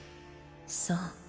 そう。